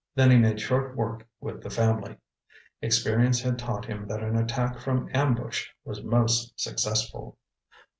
Then he made short work with the family. Experience had taught him that an attack from ambush was most successful.